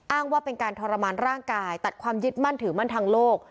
ว่าเป็นการทรมานร่างกายตัดความยึดมั่นถือมั่นทางโลก